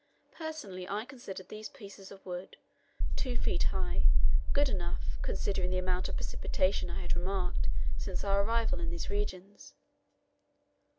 Personally, I considered these pieces of wood, 2 feet high, good enough, considering the amount of precipitation I had remarked since our arrival in these regions.